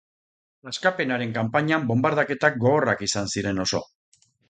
Askapenaren kanpainan bonbardaketak gogorrak izan ziren oso.